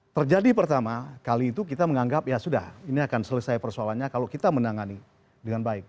terjadi pertama kali itu kita menganggap ya sudah ini akan selesai persoalannya kalau kita menangani dengan baik